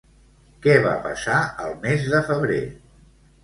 Què va passar al mes de febrer?